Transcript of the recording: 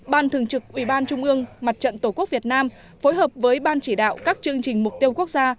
ban thường trực ubnd mặt trận tổ quốc việt nam phối hợp với ban chỉ đạo các chương trình mục tiêu quốc gia